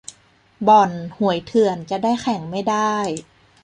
บ่อน-หวยเถื่อนจะได้แข่งไม่ได้